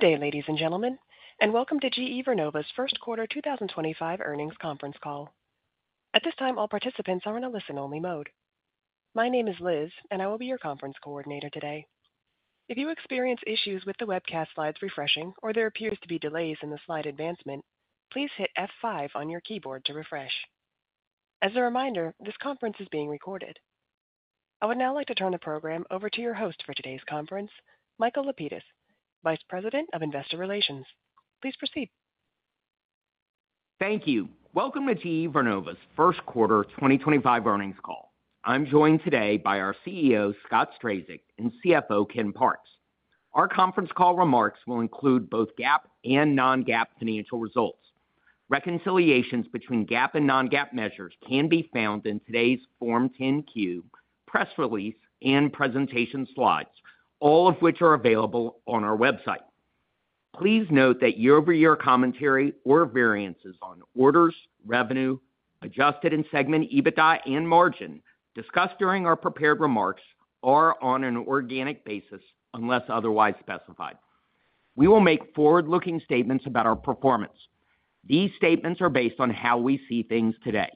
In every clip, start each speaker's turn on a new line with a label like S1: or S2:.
S1: Good day ladies and gentlemen and welcome to GE Vernova's 1st quarter 2025 earnings conference call. At this time all participants are in a listen only mode. My name is Liz and I will be your conference coordinator today. If you experience issues with the webcast slides refreshing or there appears to be delays in the slide advancement, please hit F5 on your keyboard to refresh. As a reminder, this conference is being recorded. I would now like to turn the program over to your host for today's conference, Michael Lapides, Vice President of Investor Relations. Please proceed.
S2: Thank you. Welcome to GE Vernova's 1st quarter 2025 earnings call. I'm joined today by our CEO Scott Strazik and CFO Ken Parks. Our conference call remarks will include both GAAP and non-GAAP financial results. Reconciliations between GAAP and non-GAAP measures can be found in today's Form 10-Q press release and presentation slides, all of which are available on our website. Please note that year-over-year commentary or variances on orders, revenue, adjusted and segment EBITDA, and margin discussed during our prepared remarks are on an organic basis. Unless otherwise specified, we will make forward-looking statements about our performance. These statements are based on how we see things today.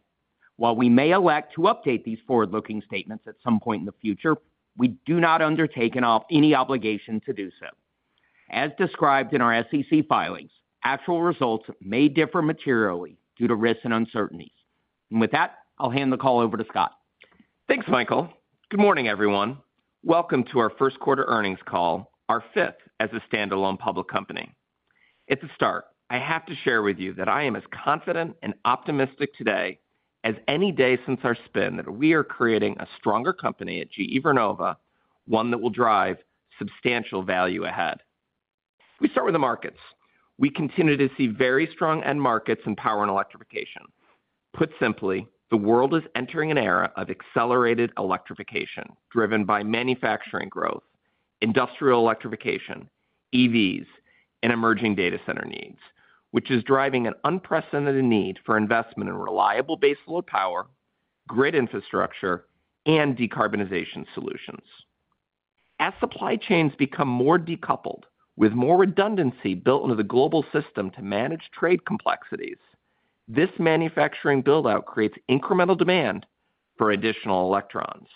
S2: While we may elect to update these forward-looking statements at some point in the future, we do not undertake any obligation to do so as described in our SEC filings. Actual results may differ materially due to risks and uncertainties and with that I'll hand the call over to Scott.
S3: Thanks Michael. Good morning everyone. Welcome to our 1st quarter earnings call, our 5th as a stand alone public company, it's a start. I have to share with you that I am as confident and optimistic today as any day since our spin that we are creating a stronger company at GE Vernova, one that will drive substantial value ahead. We start with the markets. We continue to see very strong end markets in power and electrification. Put simply, the world is entering an era of accelerated electrification driven by manufacturing growth, industrial electrification, EVs and emerging data center needs, which is driving an unprecedented need for investment in reliable baseload power grid infrastructure and decarbonization solutions. As supply chains become more decoupled with more redundancy built into the global system to manage trade complexities, this manufacturing buildout creates incremental demand for additional electrons.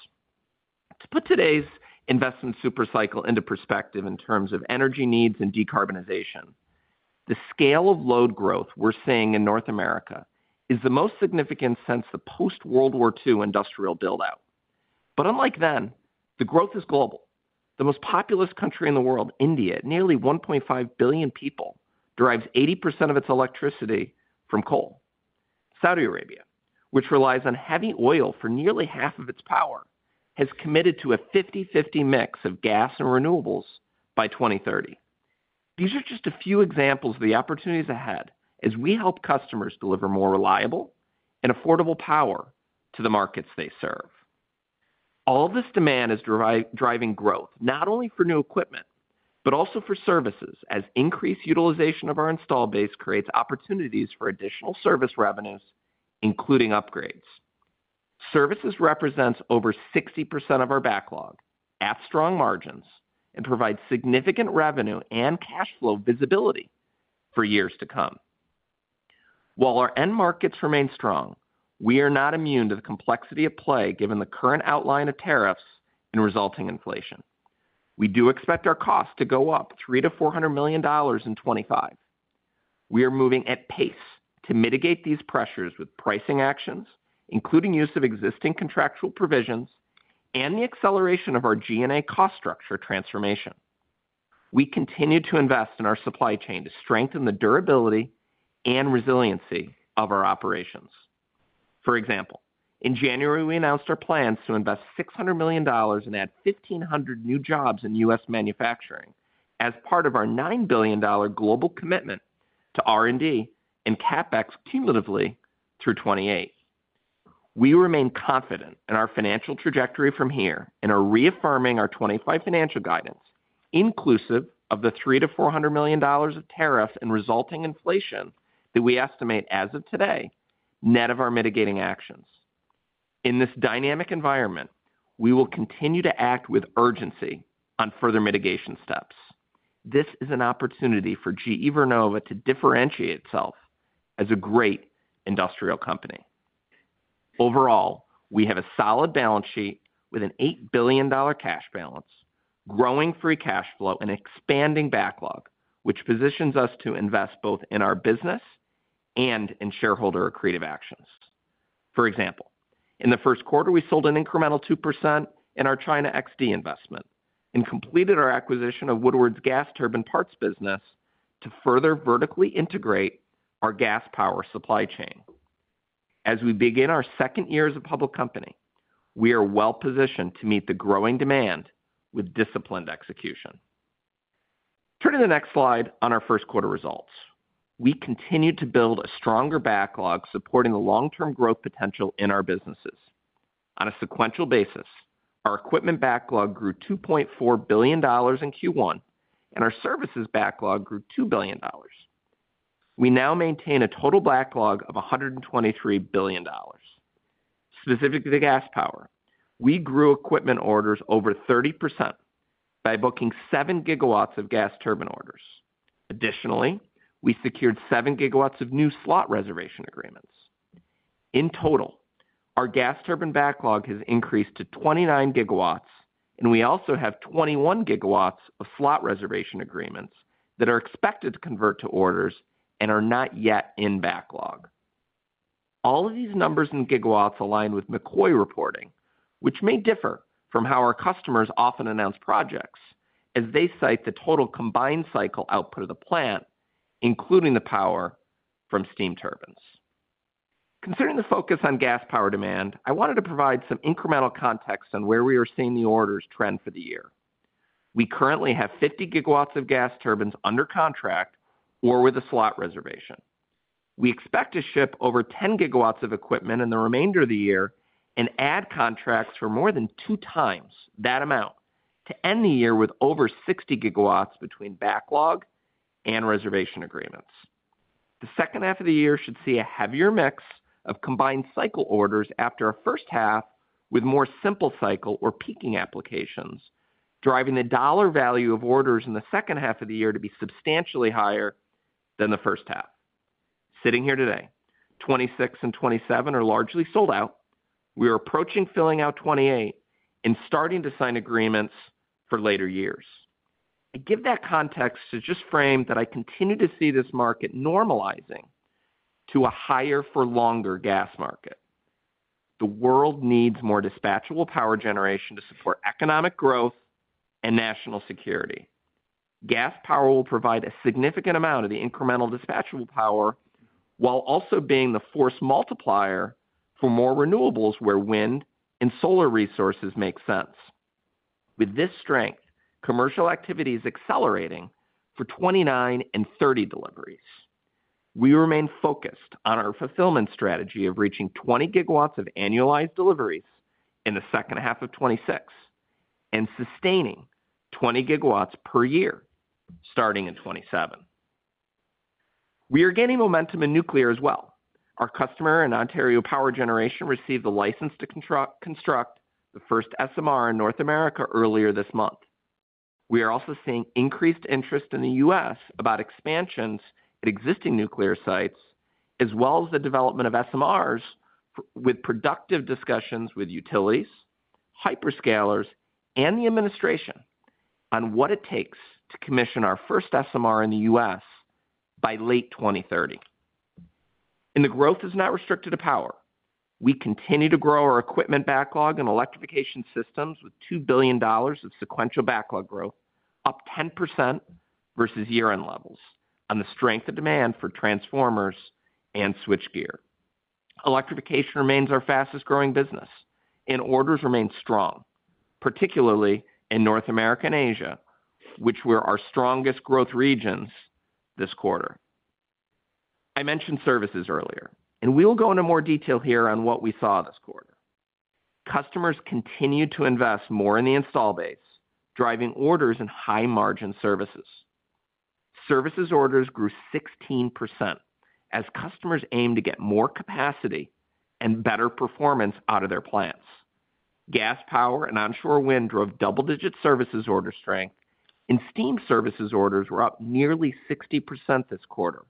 S3: To put today's investment super cycle into perspective in terms of energy needs and decarbonization, the scale of load growth we're seeing in North America is the most significant since the post World War II industrial buildout. Unlike then, the growth is global. The most populous country in the world, India, nearly 1.5 billion people, derives 80% of its electricity from coal. Saudi Arabia, which relies on heavy oil for nearly half of its power, has committed to a 50-50 mix of gas and renewables by 2030. These are just a few examples of the opportunities ahead as we help customers deliver more reliable and affordable power to the markets they serve. All this demand is driving growth not only for new equipment but also for services, as increased utilization of our install base creates opportunities for additional service revenues, including upgrades. Services represents over 60% of our backlog at strong margins and provides significant revenue and cash flow visibility for years to come. While our end markets remain strong, we are not immune to the complexity at play. Given the current outline of tariffs and resulting inflation, we do expect our costs to go up $300 million-$400 million in 2025. We are moving at pace to mitigate these pressures with pricing actions, including use of existing contractual provisions and the acceleration of our G&A cost structure transformation. We continue to invest in our supply chain to strengthen the durability and resiliency of our operations. For example, in January we announced our plans to invest $600 million and add 1,500 new jobs in U.S. manufacturing as part of our $9 billion global commitment to R&D and CapEx, cumulatively through 2028. We remain confident in our financial trajectory from here and are reaffirming our 2025 financial guidance inclusive of the $300 million-$400 million of tariff and resulting inflation that we estimate as of today net of our mitigating actions. In this dynamic environment, we will continue to act with urgency on further mitigation steps. This is an opportunity for GE Vernova to differentiate itself as a great industrial company. Overall, we have a solid balance sheet with an $8 billion cash balance, growing free cash flow and expanding backlog which positions us to invest both in our business and in shareholder accretive actions. For example, in the 1st quarter we sold an incremental 2% in our China XD investment and completed our acquisition of Woodward's gas turbine parts business to further vertically integrate our gas power supply chain. As we begin our 2nd year as a public company, we are well positioned to meet the growing demand with disciplined execution. Turning to the next slide on our 1st quarter results, we continue to build a stronger backlog supporting the long term growth potential in our businesses on a sequential basis. Our equipment backlog grew $2.4 billion in Q1 and our services backlog grew $2 billion. We now maintain a total backlog of $123 billion. Specifically to gas power, we grew equipment orders over 30% by booking 7 GW of gas turbine orders. Additionally, we secured 7 GW of new Slot Reservation Agreements. In total, our gas turbine backlog has increased to 29 GW and we also have 21 GW of Slot Reservation Agreements that are expected to convert to orders and are not yet in backlog. All of these numbers and GW align with McCoy reporting, which may differ from how our customers often announce projects as they cite the total combined cycle output of the plant, including the power from steam turbines. Considering the focus on gas power demand, I wanted to provide some incremental context on where we are seeing the orders trend for the year. We currently have 50 GW of gas turbines under contract or with a slot reservation. We expect to ship over 10 GW of equipment in the remainder of the year and add contracts for more than two times that amount to end the year with over 60 GW between backlog and reservation agreements. The 2nd half of the year should see a heavier mix of combined cycle orders after a 1st half with more simple cycle or peaking applications, driving the dollar value of orders in the 2nd half of the year to be substantially higher than the 1st half sitting here. Today, 2026 and 2027 are largely sold out. We are approaching filling out 2028 and starting to sign agreements for later years. I give that context to just frame that I continue to see this market normalizing to a higher for longer gas market. The world needs more dispatchable power generation to support economic growth and national security. Gas power will provide a significant amount of the incremental dispatchable power while also being the force multiplier for more renewables where wind and solar resources make sense. With this strength, commercial activity is accelerating for 2029 and 2030 deliveries. We remain focused on our fulfillment strategy of reaching 20 GW of annualized deliveries in 2nd half 2026 and sustaining 20 GW per year starting in 2027. We are gaining momentum in nuclear as well. Our customer and Ontario Power Generation received the license to construct the first SMR in North America earlier this month. We are also seeing increased interest in the U.S. about expansions at existing nuclear sites as well as the development of SMRs with productive discussions with utilities, hyperscalers, the administration on what it takes to commission our first SMR in the U.S. by late 2030 and the growth is not restricted to power. We continue to grow our equipment backlog and electrification systems with $2 billion of sequential backlog growth, up 10% versus year-end levels on the strength of demand for transformers and switchgear. Electrification remains our fastest growing business and orders remained strong, particularly in North America and Asia, which were our strongest growth regions this quarter. I mentioned services earlier and we will go into more detail here on what we saw this quarter. Customers continue to invest more in the install base driving orders in high margin services. Services orders grew 16% as customers aim to get more capacity and better performance out of their plants. Gas power and onshore wind drove double digit services order strength and steam services orders were up nearly 60% this quarter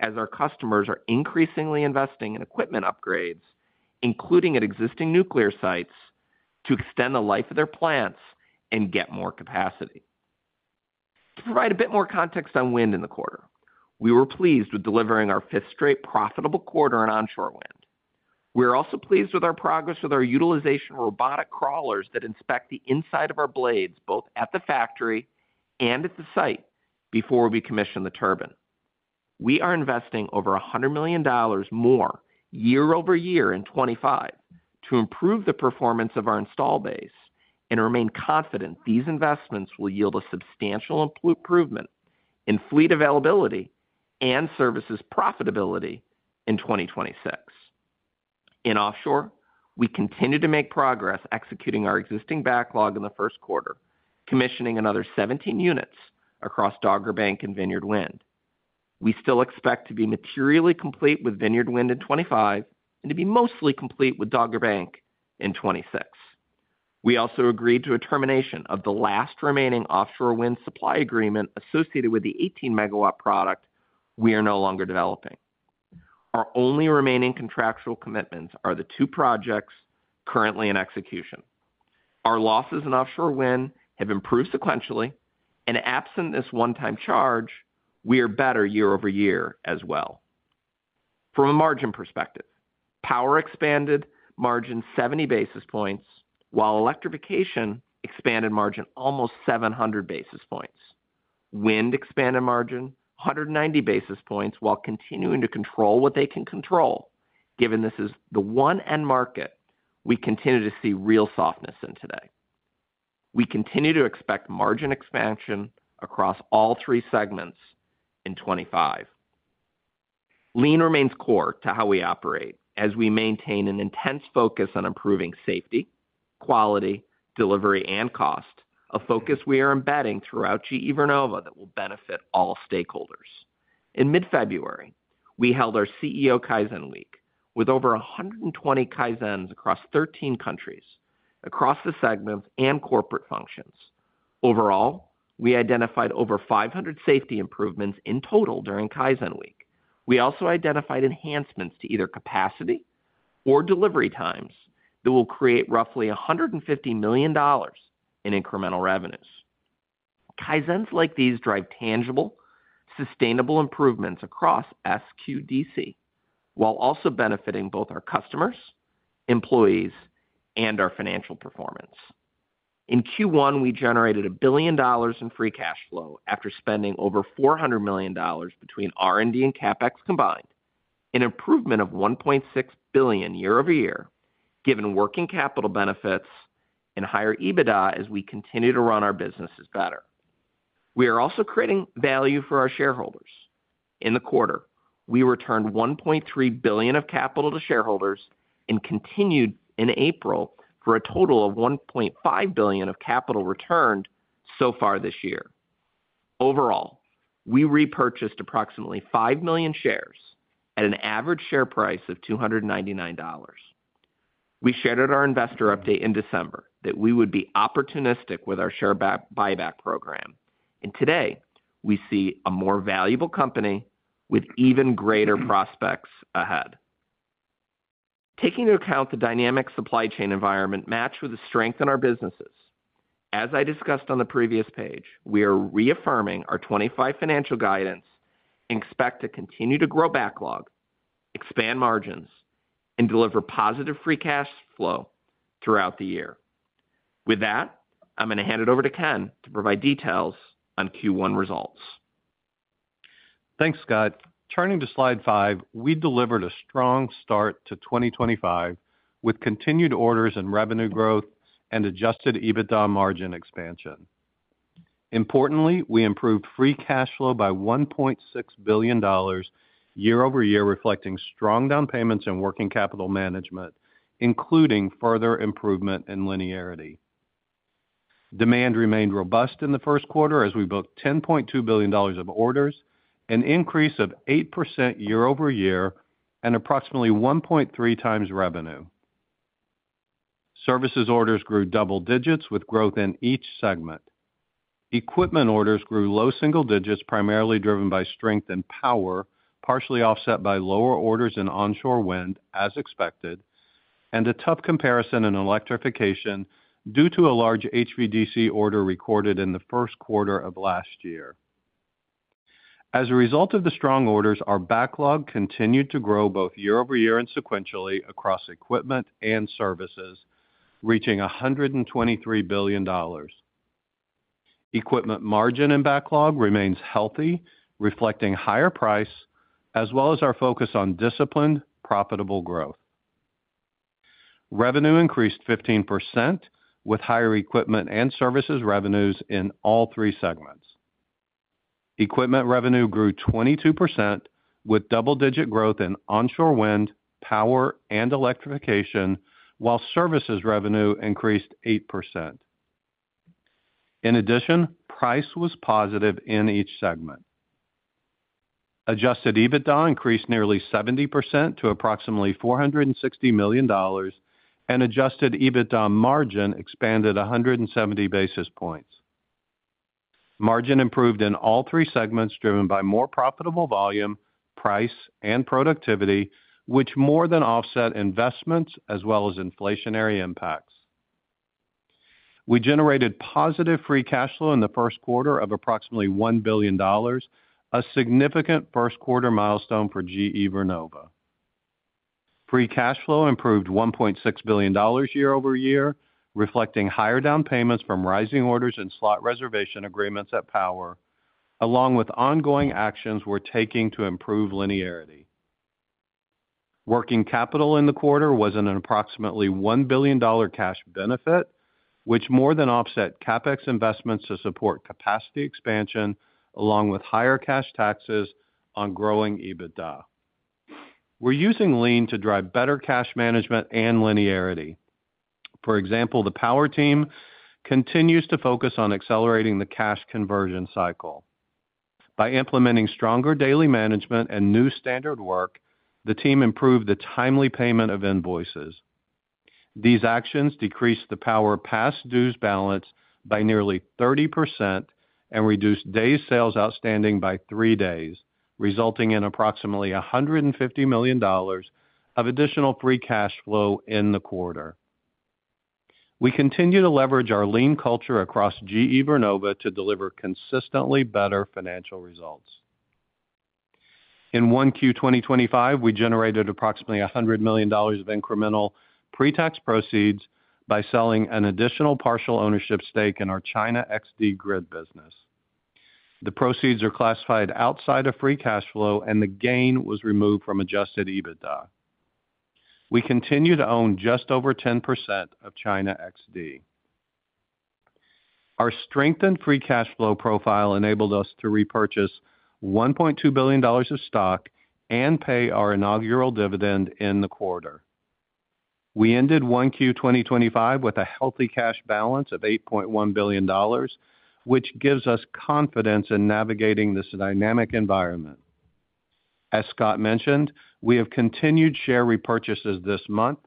S3: as our customers are increasingly investing in equipment upgrades including at existing nuclear sites to extend the life of their plants and get more capacity. To provide a bit more context on wind in the quarter, we were pleased with delivering our 5th straight profitable quarter in onshore wind. We are also pleased with our progress with our utilization robotic crawlers that inspect the inside of our blades both at the factory and at the site before we commission the turbine. We are investing over $100 million more year over year in 2025 to improve the performance of our install base and remain confident these investments will yield a substantial improvement in fleet availability and services profitability in 2026. In offshore we continue to make progress executing our existing backlog in the 1st quarter, commissioning another 17 units across Dogger Bank and Vineyard Wind. We still expect to be materially complete with Vineyard Wind in 2025 and to be mostly complete with Dogger Bank in 2026. We also agreed to a termination of the last remaining offshore wind supply agreement associated with the 18 MW we are no longer developing. Our only remaining contractual commitments are the two projects currently in execution. Our losses in offshore wind have improved sequentially and absent this one time charge, we are better year over year as well. From a margin perspective, Power expanded margin 70 basis points while Electrification expanded margin almost 700 basis points. Wind expanded margin 190 basis points while continuing to control what they can control. Given this is the one end market we continue to see real softness in today, we continue to expect margin expansion across all three segments in 2025. Lean remains core to how we operate as we maintain an intense focus on improving safety, quality, delivery and cost, a focus we are embedding throughout GE Vernova that will benefit all stakeholders. In mid February we held our CEO Kaizen Week with over 120 kaizens across 13 countries across the segments and corporate functions. Overall, we identified over 500 safety improvements in total during Kaizen Week. We also identified enhancements to either capacity or delivery times that will create roughly $150 million in incremental revenues. Kaizens like these drive tangible, sustainable improvements across SQDC while also benefiting both our customers, employees, and our financial performance. In Q1 we generated a billion dollars in free cash flow after spending over $400 million between R&D and CapEx, compared combined, an improvement of $1.6 billion year over year, given working capital benefits and higher EBITDA. As we continue to run our businesses better, we are also creating value for our shareholders. In the quarter, we returned $1.3 billion of capital to shareholders and continued in April for a total of $1.5 billion of capital returned so far this year. Overall, we repurchased approximately 5 million shares at an average share price of $299. We shared at our Investor Update in December that we would be opportunistic with our share buyback program and today we see a more valuable company with even greater prospects ahead, taking into account the dynamic supply chain environment matched with the strength in our businesses. As I discussed on the previous page, we are reaffirming our 2025 financial guidance and expect to continue to grow, backlog, expand margins and deliver positive free cash flow throughout the year. With that, I'm going to hand it over to Ken to provide details on Q1 results.
S4: Thanks Scott. Turning to slide 5, we delivered a strong start to 2025 with continued orders and revenue growth and adjusted EBITDA margin expansion. Importantly, we improved free cash flow by $1.6 billion year over year, reflecting strong down payments and working capital management, including further improvement in linearity. Demand remained robust in the 1st quarter as we booked $10.2 billion of orders, an increase of 8% year over year and approximately 1.3 times revenue. Services orders grew double digits with growth in each segment. Equipment orders grew low single digits, primarily driven by strength in power, partially offset by lower orders in onshore wind as expected and a tough comparison in electrification due to a large HVDC order recorded in the 1st quarter of last year. As a result of the strong orders, our backlog continued to grow both year over year and sequentially across equipment and services, reaching $123 billion. Equipment margin and backlog remains healthy reflecting higher price as well as our focus on disciplined profitable growth. Revenue increased 15% with higher equipment and services revenues in all three segments. Equipment revenue grew 22% with double-digit growth in onshore wind power and electrification, while services revenue increased 8%. In addition, price was positive in each segment. Adjusted EBITDA increased nearly 70% to approximately $460 million and adjusted EBITDA margin expanded 170 basis points. Margin improved in all three segments driven by more profitable volume, price and productivity which more than offset investments as well as inflationary impacts. We generated positive free cash flow in the 1st quarter of approximately $1 billion, a significant 1st quarter milestone for GE Vernova. Free cash flow improved $1.6 billion year over year, reflecting higher down payments from rising orders and Slot Reservation Agreements at Power along with ongoing actions we're taking to improve linearity. Working capital in the quarter was an approximately $1 billion cash benefit which more than offset CapEx investments. To support capacity expansion along with higher cash taxes on growing EBITDA, we're using Lean to drive better cash management and linearity. For example, the Power team continues to focus on accelerating the cash conversion cycle. By implementing stronger daily management and new standard work, the team improved the timely payment of invoices. These actions decreased the Power past dues balance by nearly 30% and reduced days sales outstanding by three days, resulting in approximately $150 million of additional free cash flow in the quarter. We continue to leverage our lean culture across GE Vernova to deliver consistently better financial results. In Q1 2025 we generated approximately $100 million of incremental pre tax proceeds by selling an additional partial ownership stake in our China XD Grid business. The proceeds are classified outside of free cash flow and the gain was removed from adjusted EBITDA. We continue to own just over 10% of China XD. Our strengthened free cash flow profile enabled us to repurchase $1.2 billion of stock and pay our inaugural dividend in the quarter. We ended Q1 2025 with a healthy cash balance of $8.1 billion, which gives us confidence in navigating this dynamic environment. As Scott mentioned, we have continued share repurchases this month,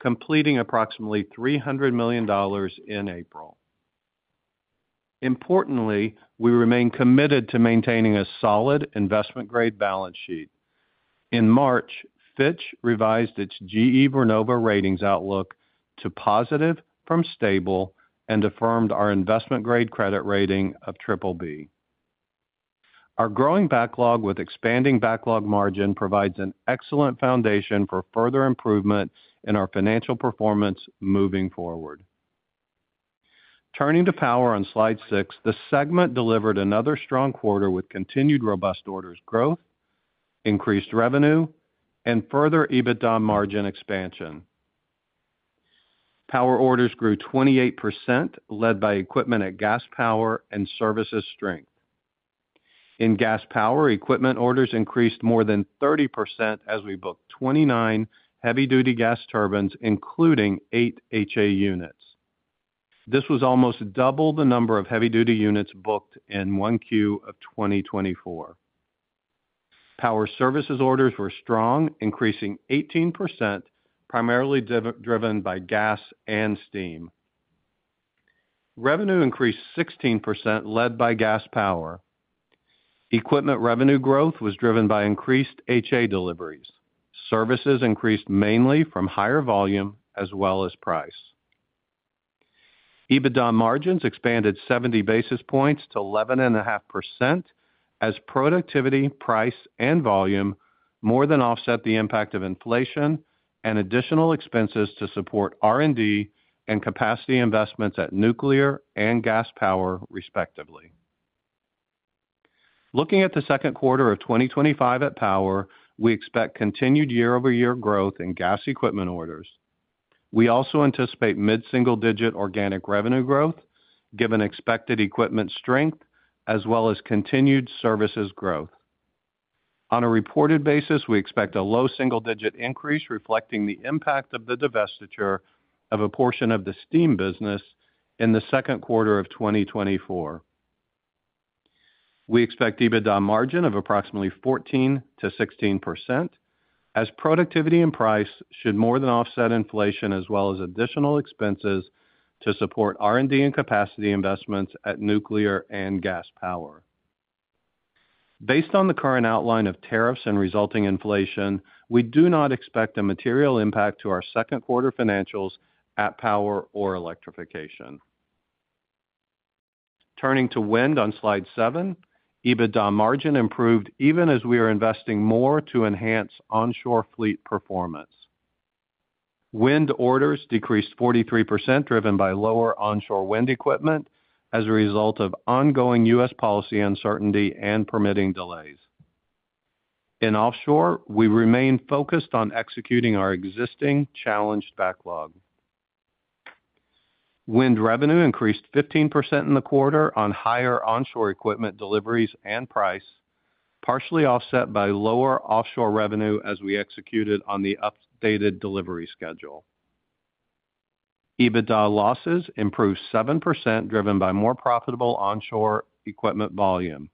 S4: completing approximately $300 million in April. Importantly, we remain committed to maintaining a solid investment grade balance sheet. In March, Fitch revised its GE Vernova Ratings outlook to positive from stable and affirmed our investment grade credit rating of BBB. Our growing backlog with expanding backlog margin provides an excellent foundation for further improvement in our financial performance moving forward. Turning to Power on slide 6, the segment delivered another strong quarter with continued robust orders growth, increased revenue and further EBITDA margin expansion. Power orders grew 28% led by equipment at Gas Power and Services. Strength in Gas Power equipment orders increased more than 30% as we booked 29 heavy-duty gas turbines including 8 HA units. This was almost double the number of heavy duty units booked in Q1 of 2024. Power Services orders were strong increasing 18% primarily driven by gas and steam. Revenue increased 16% led by Gas Power equipment. Revenue growth was driven by increased HA deliveries. Services increased mainly from higher volume as well as price. EBITDA margins expanded 70 basis points to 11.5% as productivity, price, and volume more than offset the impact of inflation and additional expenses to support R&D and capacity investments at nuclear and gas power respectively. Looking at the 2nd quarter of 2025 at Power, we expect continued year-over-year growth in gas equipment orders. We also anticipate mid single-digit organic revenue growth given expected equipment strength as well as continued services growth. On a reported basis, we expect a low single-digit increase reflecting the impact of the divestiture of a portion of the steam business. In the 2nd quarter of 2024, we expect EBITDA margin of approximately 14-16% as productivity and price should more than offset inflation as well as additional expenses to support R&D and capacity investments at nuclear and gas power. Based on the current outline of tariffs and resulting inflation, we do not expect a material impact to our 2nd quarter financials at Power or Electrification. Turning to Wind on slide 7, EBITDA margin improved even as we are investing more to enhance onshore fleet performance. Wind orders decreased 43% driven by lower onshore wind equipment as a result of ongoing U.S. policy uncertainty and permitting delays in offshore. We remain focused on executing our existing challenged backlog. Wind revenue increased 15% in the quarter on higher onshore equipment deliveries and price, partially offset by lower offshore revenue as we executed on the updated delivery schedule. EBITDA losses improved 7% driven by more profitable onshore equipment volume.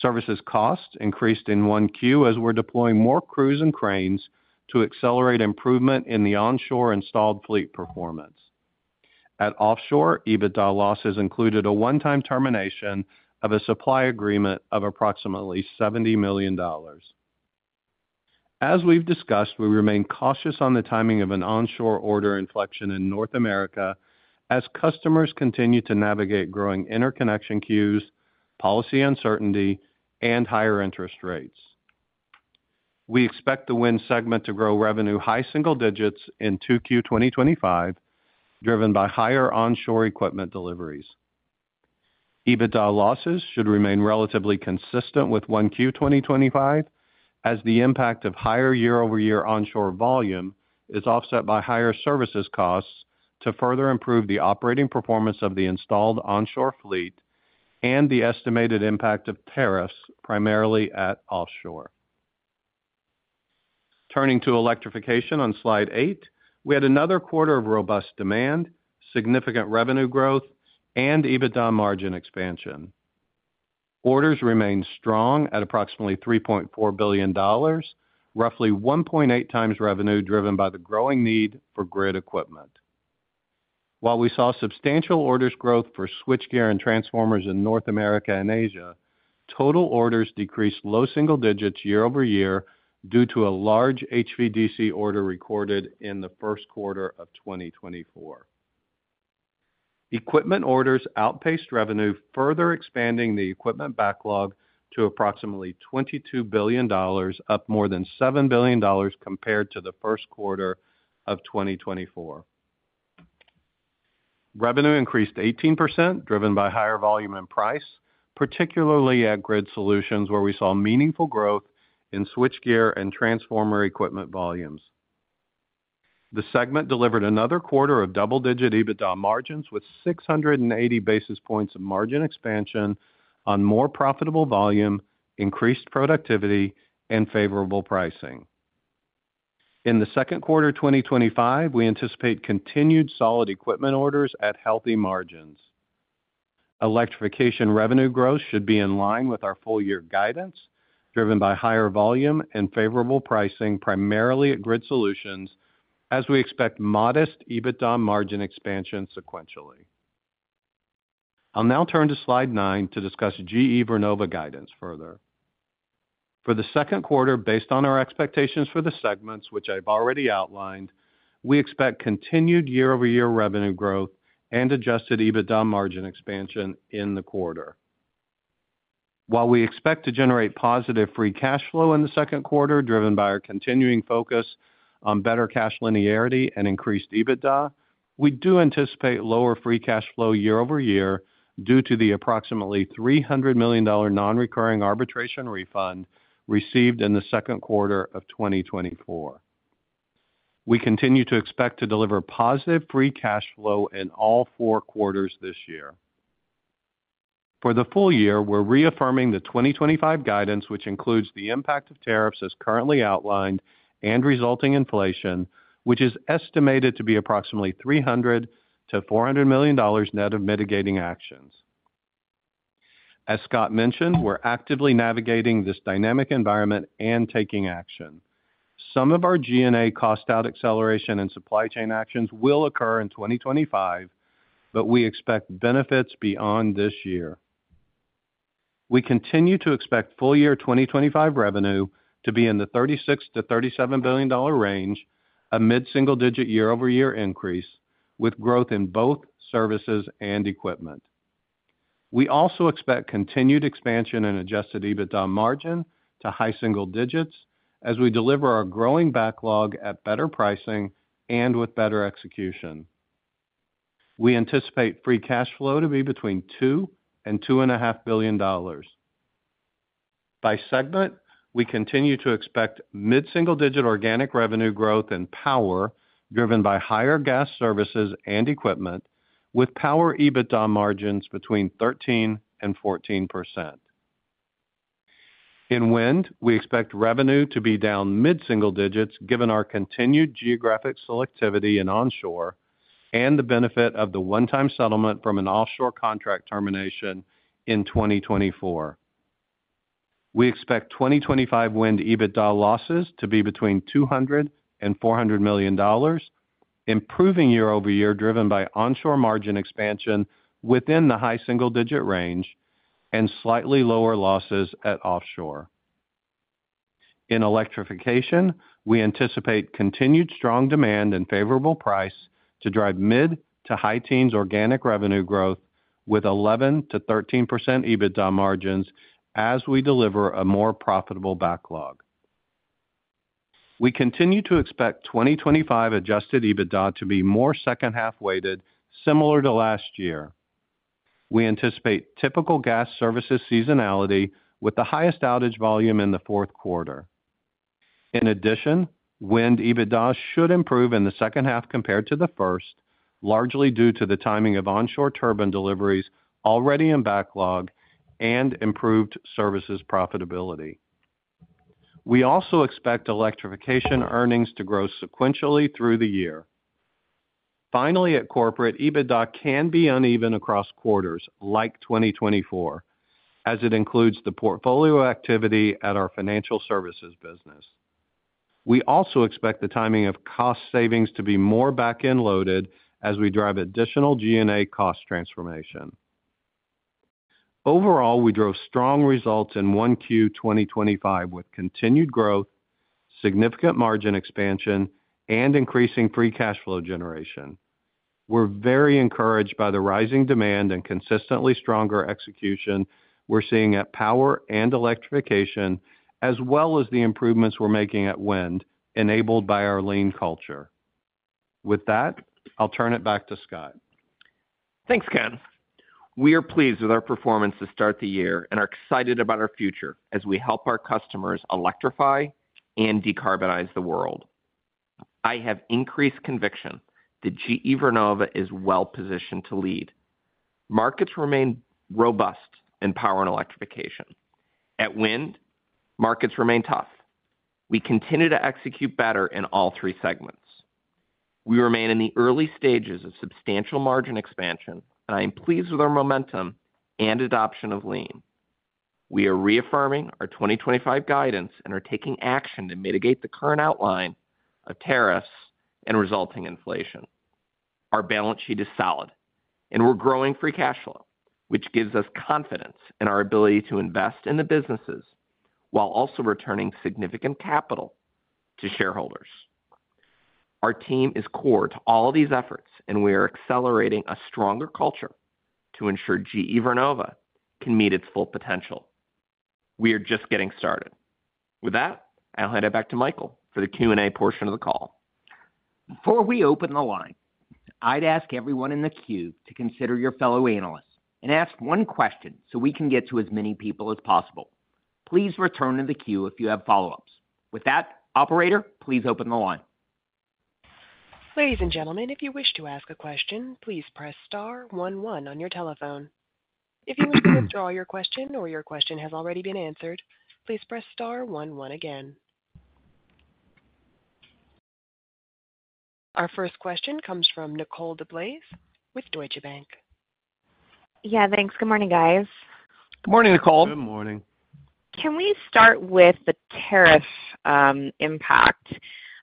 S4: Services costs increased in Q1 as we're deploying more crews and cranes to accelerate improvement in the onshore installed fleet performance at offshore. EBITDA losses included a one time termination of a supply agreement of approximately $70 million. As we've discussed, we remain cautious on the timing of an onshore order inflection in North America as customers continue to navigate growing interconnection queues, policy uncertainty and higher interest rates. We expect the wind segment to grow revenue high single digits in Q2 2025 driven by higher onshore equipment deliveries. EBITDA losses should remain relatively consistent with Q1 2025 as the impact of higher year over year onshore volume is offset by higher services costs to further improve the operating performance of the installed onshore fleet and the estimated impact of tariffs primarily at offshore. Turning to electrification on slide 8, we had another quarter of robust demand, significant revenue growth and EBITDA margin expansion. Orders remained strong at approximately $3.4 billion, roughly 1.8 times revenue driven by the growing need for grid equipment. While we saw substantial orders growth for switchgear and transformers in North America and Asia, total orders decreased low single digits year over year due to a large HVDC order recorded in the 1st quarter of 2024. Equipment orders outpaced revenue, further expanding the equipment backlog to approximately $22 billion, up more than $7 billion compared to the 1st quarter of 2024. Revenue increased 18% driven by higher volume and price, particularly at Grid Solutions where we saw meaningful growth in switchgear and transformer equipment volumes. The segment delivered another quarter of double digit EBITDA margins with 680 basis points of margin expansion on more profitable volume, increased productivity and favorable pricing. In the 2nd quarter 2025, we anticipate continued solid equipment orders at healthy margins. Electrification revenue growth should be in line with our full year guidance driven by higher volume and favorable pricing primarily at Grid Solutions as we expect modest EBITDA margin expansion sequentially. I'll now turn to Slide 9 to discuss GE Vernova guidance further for the 2nd quarter. Based on our expectations for the segments which I've already outlined, we expect continued year over year revenue growth and adjusted EBITDA margin expansion in the quarter. While we expect to generate positive free cash flow in the 2nd quarter driven by our continuing focus on better cash linearity and increased EBITDA, we do anticipate lower free cash flow year over year due to the approximately $300 million non recurring arbitration refund received in the 2nd quarter of 2024. We continue to expect to deliver positive free cash flow in all four quarters this year. For the full year. We're reaffirming the 2025 guidance which includes the impact of tariffs as currently outlined and resulting inflation which is estimated to be approximately $300 million-$400 million net of mitigating actions. As Scott mentioned, we're actively navigating this dynamic environment and taking action. Some of our G&A cost out acceleration and supply chain actions will occur in 2025, but we expect benefits beyond this year. We continue to expect full year 2025 revenue to be in the $36 billion-$37 billion range, a mid single digit year over year increase with growth in both services and equipment. We also expect continued expansion in adjusted EBITDA margin to high single digits as we deliver our growing backlog at better pricing and with better execution. We anticipate free cash flow to be between $2 billion-$2.5 billion by segment. We continue to expect mid single digit organic revenue growth in Power driven by higher Gas Services and equipment with Power EBITDA margins between 13%-14%. In Wind we expect revenue to be down mid single digits given our continued geographic selectivity in Onshore and the benefit of the one time settlement from an Offshore contract termination in 2024. We expect 2025 Wind EBITDA losses to be between $200 million and $400 million, improving year over year driven by Onshore margin expansion within the high single digit range and slightly lower losses at Offshore. In Electrification, we anticipate continued strong demand and favorable price to drive mid to high teens organic revenue growth with 11%-13% EBITDA margins as we deliver a more profitable backlog. We continue to expect 2025 adjusted EBITDA to be more 2nd half weighted similar to last year. We anticipate typical gas services seasonality with the highest outage volume in the 4th quarter. In addition, wind EBITDA should improve in the 2nd half compared to the first largely due to the timing of onshore turbine deliveries already in backlog and improved services profitability. We also expect electrification earnings to grow sequentially through the year. Finally, at corporate, EBITDA can be uneven across quarters like 2024 as it includes the portfolio activity at our financial services business. We also expect the timing of cost savings to be more back end loaded as we drive additional G&A cost transformation. Overall, we drove strong results in Q1 2025 with continued growth, significant margin expansion, and increasing free cash flow generation. We're very encouraged by the rising demand and consistently stronger execution we're seeing at Power and Electrification as well as the improvements we're making at Wind enabled by our lean culture. With that I'll turn it back to Scott.
S3: Thanks, Ken. We are pleased with our performance to start the year and are excited about our future as we help our customers electrify and decarbonize the world. I have increased conviction that GE Vernova is well positioned to lead. Markets remain robust in power and electrification, yet wind markets remain tough. We continue to execute better in all three segments. We remain in the early stages of substantial margin expansion and I am pleased with our momentum and adoption of lean. We are reaffirming our 2025 guidance and are taking action to mitigate the current outline of tariffs and resulting inflation. Our balance sheet is solid and we're growing free cash flow, which gives us confidence in our ability to invest in the businesses while also returning significant capital to shareholders. Our team is core to all of these efforts and we are accelerating a stronger culture to ensure GE Vernova can meet its full potential. We are just getting started with that. I'll hand it back to Michael for the Q and A portion of the call.
S2: Before we open the line, I'd ask everyone in the queue to consider your fellow analysts and ask one question so we can get to as many people as possible. Please return to the queue if you have follow ups. With that, operator, please open the line.
S1: Ladies and gentlemen, if you wish to ask a question, please press star one one on your telephone. If you wish to withdraw your question or your question has already been answered, please press star one one. Again, our first question comes from Nicole DeBlase with Deutsche Bank.
S5: Yeah, thanks. Good morning, guys.
S3: Good morning, Nicole.
S4: Good morning.
S5: Can we start with the tariff impact?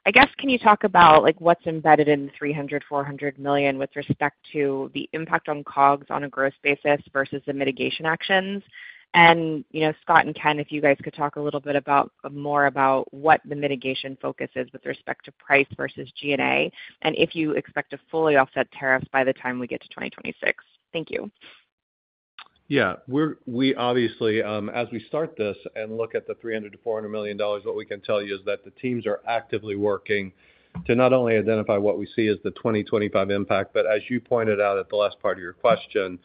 S5: I guess. Can you talk about what's embedded in $300 million, $400 million with respect to the impact on COGS on a gross basis versus the mitigation? Scott and Ken, if you guys could talk a little bit more about what the mitigation focus is with respect to price versus G&A and if you expect to fully offset tariffs by the time we get to 2026. Thank you.
S4: Yeah, we obviously, as we start this and look at the $300-$400 million, what we can tell you is that the teams are actively working to not only identify what we see as the 2025 impact, but as you pointed out at the last part of your question,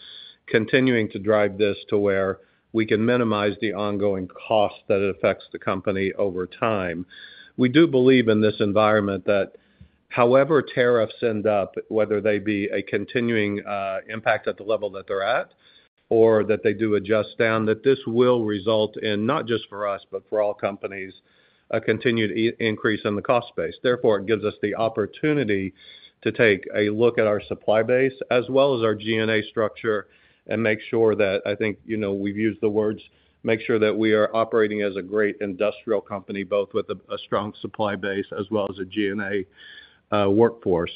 S4: continuing to drive this to where we can minimize the ongoing cost that affects the company over time. We do believe in this environment that however tariffs end up, whether they be a continuing impact at the level that they're at or that they do adjust down, that this will result in, not just for us, but for all companies, a continued increase in the cost base. Therefore, it gives us the opportunity to take a look at our supply base as well as our G&A structure and make sure that. I think, you know, we've used the words make sure that we are operating as a great industrial company, both with a strong supply base as well as a G&A workforce.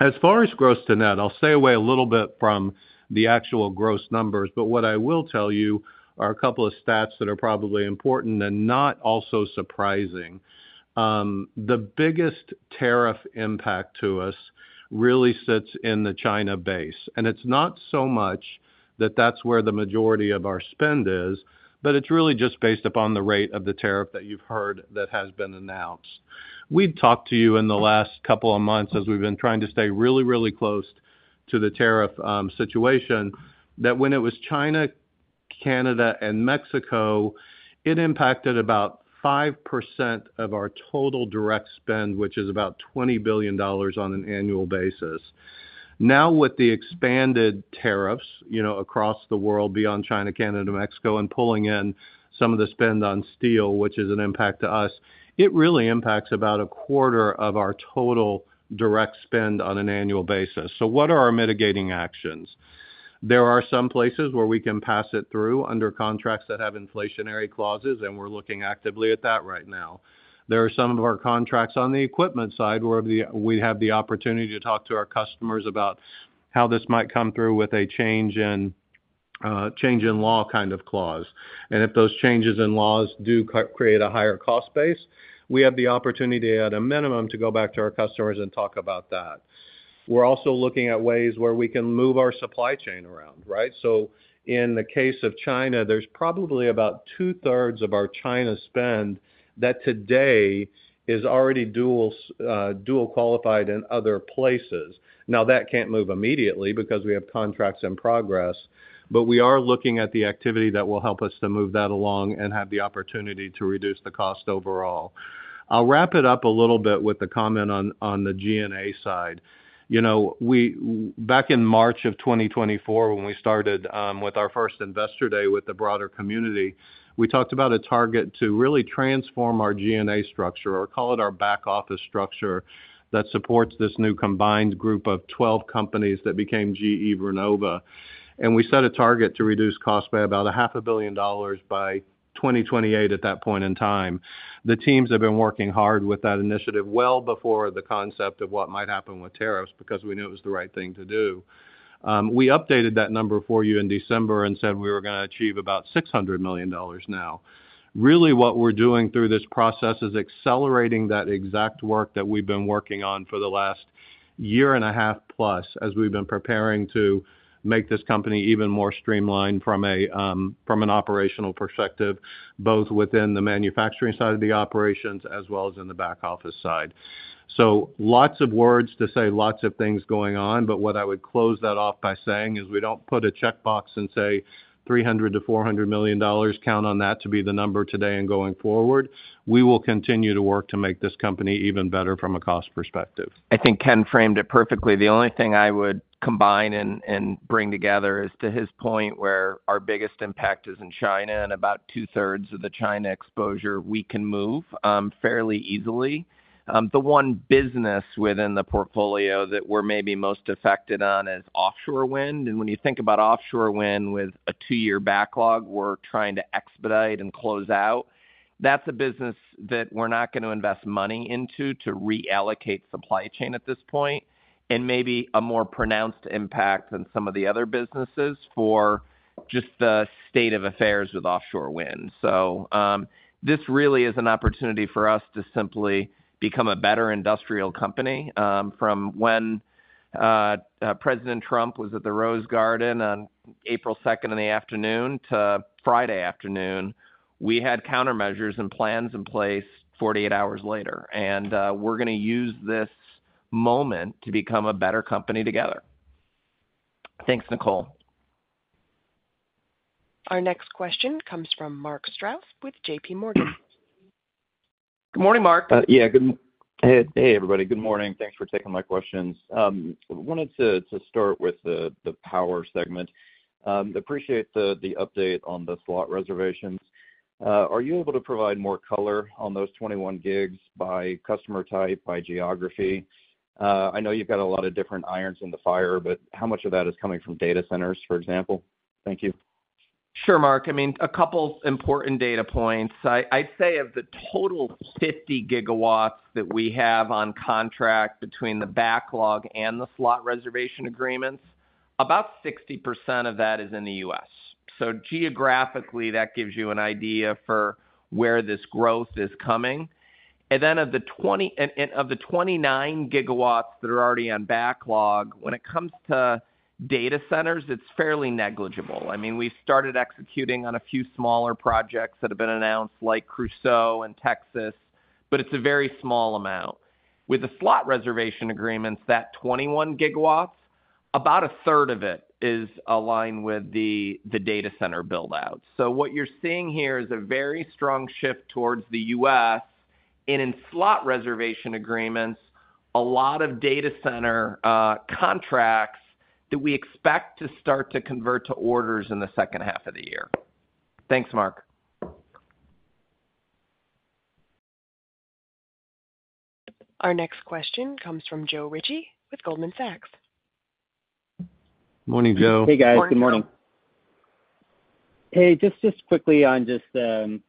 S4: As far as gross to net. I'll stay away a little bit from the actual gross numbers, but what I will tell you are a couple of stats that are probably important and not also surprising. The biggest tariff impact to us really sits in the China base. And it's not so much that that's where the majority of our spend is, but it's really just based upon the rate of the tariff that you've heard that has been announced. We talked to you in the last couple of months as we've been trying to stay really, really close to the tariff situation that when it was China, Canada and Mexico, it impacted about 5% of our total direct spend, which is about $20 billion on an annual basis. Now with the expanded tariffs, you know, across the world beyond Mexico and pulling in some of the spend on steel, which is an impact to us, it really impacts about a quarter of our total direct spend on an annual basis. What are our mitigating actions? There are some places where we can pass it through under contracts that have inflationary clauses and we're looking actively at that right now. There are some of our contracts on the equipment side where we have the opportunity to talk to our customers about how this might come through with a change in law kind of clause. If those changes in laws do create a higher cost base, we have the opportunity at a minimum to go back to our customers and talk about that. We are also looking at ways where we can move our supply chain around. Right. In the case of China, there is probably about 2/3 of our China spend that today is already dual qualified in other places. That cannot move immediately because we have contracts in progress. We are looking at the activity that will help us to move that along and have the opportunity to reduce the cost overall. I will wrap it up a little bit with the comment on the G&A side. You know, back in March of 2024, when we started with our first investor day with the broader community, we talked about a target to really transform our G&A structure, or call it our back office structure that supports this new combined group of 12 companies that became and we set a target to reduce cost by about $500 million by 2028. At that point in time, the teams have been working hard with that initiative well before the concept of what might happen with tariffs. Because we knew it was the right thing to do. We updated that number for you in December and said we were going to achieve about $600 million. Now really what we're doing through this process is accelerating that exact work that we've been working on for the last year and a half. Plus as we've been preparing to make this company even more streamlined from an operational perspective, both within the manufacturing side of the operations as well as in the back office side. Lots of words to say, lots of things going on. What I would close that off by saying is we don't put a checkbox and say $300 million-$400 million. Count on that to be the number today. Going forward, we will continue to work to make this company even better from a cost perspective.
S3: I think Ken framed it perfectly. The only thing I would combine and bring together is to his point where our biggest impact is in China and about two thirds of the China exposure we can move fairly easily. The one business within the portfolio that we're maybe most affected on is offshore wind. When you think about offshore wind with a two year backlog, we're trying to expedite and close out, that's a business that we're not going to invest money into to reallocate supply chain at this point and maybe a more pronounced impact than some of the other businesses for just the state of affairs with offshore wind. This really is an opportunity for us to simply become a better industrial company. From when President Trump was at the Rose Garden on April 2nd in the afternoon to Friday afternoon, we had countermeasures and plans in place 48 hours later. We're going to use this moment to become a better company together. Thanks, Nicole.
S1: Our next question comes from Mark Strouse with JPMorgan.
S4: Good morning, Mark.
S6: Yeah. Hey everybody. Good morning. Thanks for taking my questions. Wanted to start with the power segment. Appreciate the update on the slot reservations. Are you able to provide more color on those 21 gigs? By customer type, by geography? I know you've got a lot of. Different irons in the fire, but how much of that is coming from data centers, for example?
S3: Thank you. Sure, Mark. I mean, a couple important data points I'd say of the total 50 GW that we have on contract, between the backlog and the Slot Reservation Agreements, about 60% of that is in the U.S. so geographically that gives you an idea for where this growth is coming. I mean, of the 29 GW that are already on backlog, when it comes to data centers, it's fairly negligible. I mean, we started executing on a few smaller projects that have been announced like Crusoe and Texas. It is a very small amount. With the Slot Reservation Agreements, that 21 GW, about a third of it is aligned with the data center buildout. What you're seeing here is a very strong shift towards the U.S. and in Slot Reservation Agreements, a lot of data center contracts that we expect to start to convert to orders in the 2nd half of the year. Thanks, Mark.
S1: Our next question comes from Joe Ritchie with Goldman Sachs.
S4: Good morning, Joe.
S3: Hey guys. Good morning.
S7: Hey. Just quickly on, just on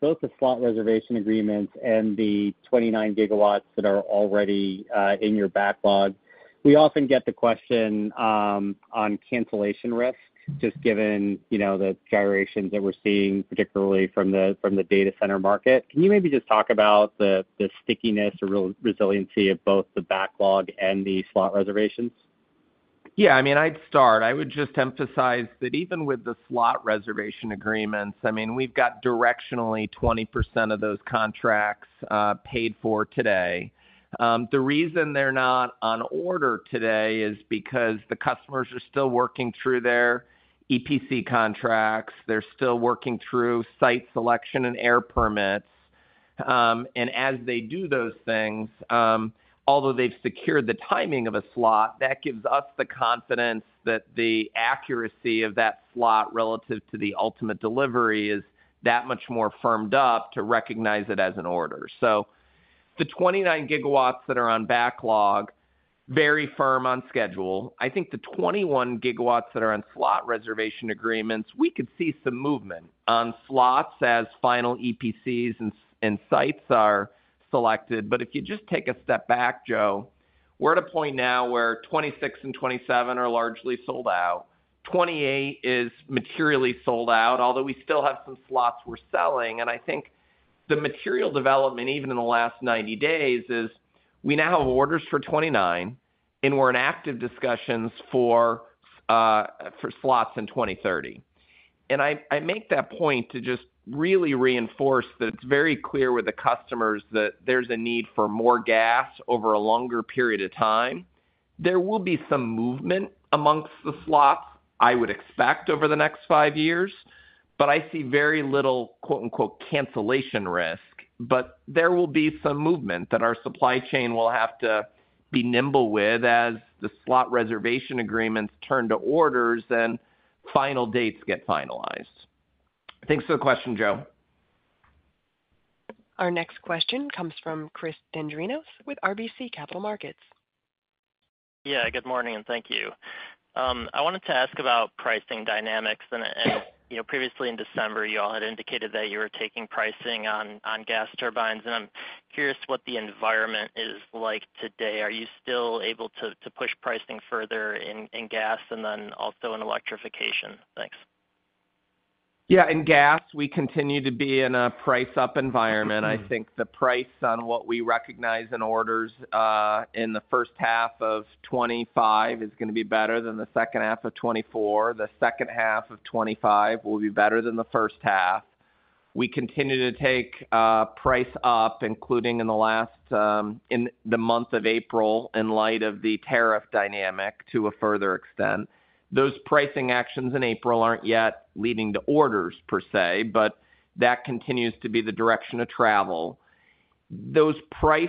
S7: both the Slot Reservation Agreements and the 29 GW that are already in your backlog, we often get the question on cancellation risk. Just given the gyrations that we're seeing, particularly from the data center market. Can you maybe just talk about the stickiness or resiliency of both the backlog and the slot reservations? Yeah, I mean, I'd start, I would just emphasize that even with the Slot Reservation Agreements, I mean we've got directionally 20% of those contracts paid for today. The reason they're not on order today is because the customers are still working through their EPC contracts. They're still working through site selection and air permits.
S3: As they do those things, although they've secured the timing of a slot, that gives us the confidence that the accuracy of that slot relative to the ultimate delivery is that much more firmed up to recognize it as an order. The 29 GW that are on backlog are very firm on schedule. I think the 21 GW that are on Slot Reservation Agreements, we could see some movement on slots as final EPCs and sites are selected. If you just take a step back, Joe, we're at a point now where 2026 and 2027 are largely sold out, 2028 is materially sold out, although we still have some slots we're selling. I think the material development even in the last 90 days is we now have orders for 2029 and we're in active discussions for slots in 2030. I make that point to just really reinforce that it's very clear with the customers that there's a need for more gas over a longer period of time. There will be some movement amongst the slots I would expect over the next five years, but I see very little cancellation risk in. There will be some movement that our supply chain will have to be nimble with as the Slot Reservation Agreements turn to orders and final dates get finalized. Thanks for the question, Joe.
S1: Our next question comes from Chris Dendrinos with RBC Capital Markets.
S8: Yeah, good morning and thank you. I wanted to ask about pricing dynamics and previously in December you all had indicated that you were taking pricing on gas turbines. I'm curious what the environment is like today. Are you still able to push pricing further in gas and then also in electrification? Thanks.
S3: Yeah. In gas. We continue to be in a price up environment. I think the price on what we recognize in orders in the 1st half of 2025 is going to be better than the 2nd half of 2024. The 2nd half of 2025 will be better than the 1st half. We continue to take price up, including in the last in the month of April in light of the tariff dynamic. To a further extent, those pricing actions in April are not yet leading to orders per se, but that continues to be the direction of travel. Those price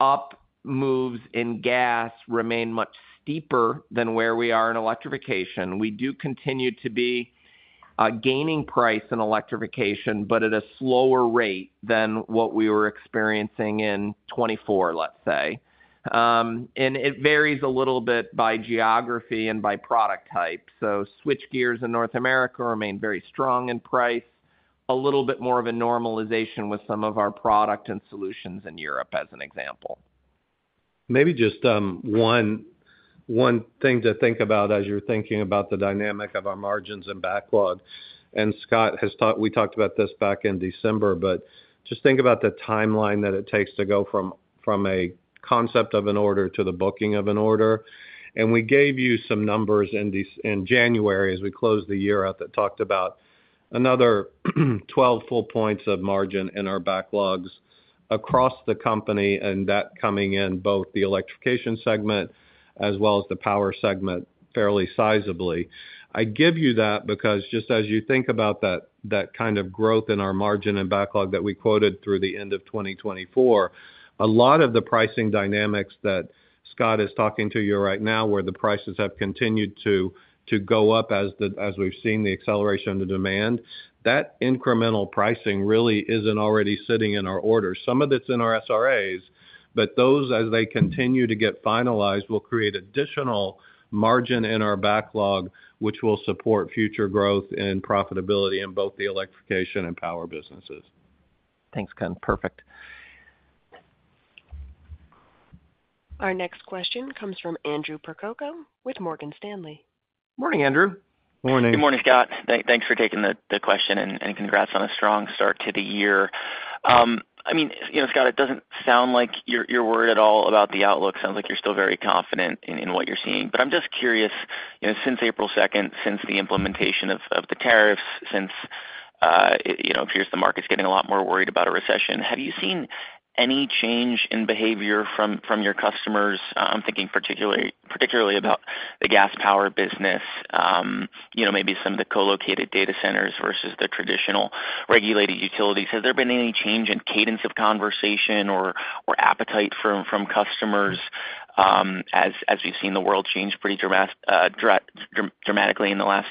S3: up moves in gas remain much steeper than where we are in electrification. We do continue to be gaining price in electrification, but at a slower rate than what we were experiencing in 2024, let's say, and it varies a little bit by geography and by product type. Switchgear in North America remain very strong in price. A little bit more of a normalization with some of our product and solutions in Europe as an example.
S4: Maybe just one thing to think about as you're thinking about the dynamic of our margins and backlog. Scott, we talked about this back in December, but just think about the timeline that it takes to go from a concept of an order to the booking of an order. We gave you some numbers in January as we closed the year out that talked about another 12 full points of margin in our backlogs across the company and that coming in both the electrification segment as well as the power segment fairly sizably. I give you that because just as you think about that kind of growth in our margin and backlog that we quoted through the end of 2024, a lot of the pricing dynamics that Scott is talking to you right now, where the prices have continued to go up as we've seen the acceleration in the demand, that incremental pricing really isn't already sitting in our orders. Some of it's in our SRAs. But those as they continue to get finalized will create additional margin in our backlog which will support future growth and profitability in both the electrification and power businesses.
S3: Thanks, Ken. Perfect.
S1: Our next question comes from Andrew Percoco with Morgan Stanley.
S3: Morning, Andrew.
S4: Morning.
S9: Good morning, Scott. Thanks for taking the question and congrats on a strong start to the year. Scott, it doesn't sound like you're worried at all about the outlook. Sounds like you're still very confident in what you're seeing. I'm just curious, since April 2, since the implementation of the tariffs, since it appears the market's getting a lot more worried about a recession, have you seen any change in behavior from your customers? I'm thinking particularly about the gas power business, maybe some of the co-located data centers versus the traditional regulated utilities. Has there been any change in cadence of conversation or appetite from customers? As we've seen, the world changed pretty dramatically in the last